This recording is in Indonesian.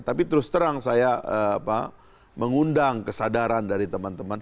tapi terus terang saya mengundang kesadaran dari teman teman